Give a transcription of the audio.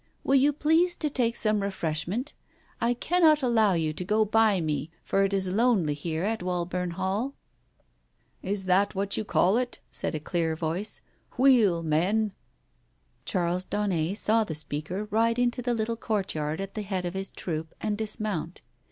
Will you please to take some refreshment ? I cannot allow you to go by me, for it is lonely here at Wallburn Hall." Digitized by Google THE BLUE BONNET 171 "Is that what you call it?" said a clear voice. "Wheel, men." Charles Daunet saw the speaker ride into the little courtyard at the Head of his troop, and dismount.